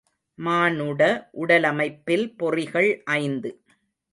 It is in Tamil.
மானுட உடலமைப்பில் பொறிகள் ஐந்து.